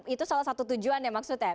itu salah satu tujuan ya maksudnya